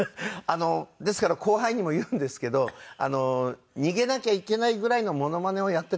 ですから後輩にも言うんですけど逃げなきゃいけないぐらいのモノマネをやっていた方が。